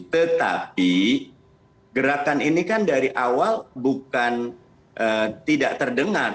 tetapi gerakan ini kan dari awal bukan tidak terdengar